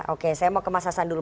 oke saya mau ke mas hasan dulu